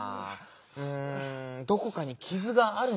うんどこかにきずがあるのかなぁ？